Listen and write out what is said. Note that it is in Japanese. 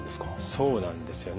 そうなんですよね。